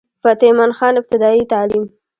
فتح مند خان ابتدائي تعليم